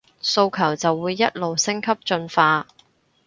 訴求就會一路升級進化